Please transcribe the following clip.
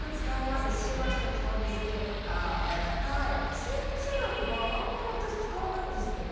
スープセロリはあんまり私使わないんですけど。